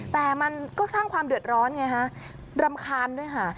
แต่มันก็สร้างความเดือดร้อนไงฮะรำคาญด้วยค่ะ